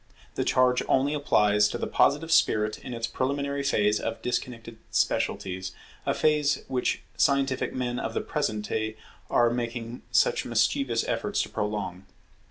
The charge only applies to the positive spirit in its preliminary phase of disconnected specialities, a phase which scientific men of the present day are making such mischievous efforts to prolong.